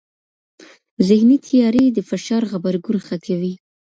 ذهني تیاری د فشار غبرګون ښه کوي.